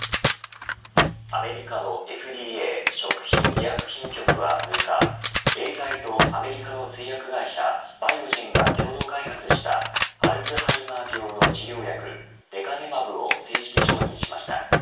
アメリカのＦＤＡ食品医薬品局は６日エーザイとアメリカの製薬会社バイオジェンが共同開発したアルツハイマー病の治療薬レカネマブを正式承認しました。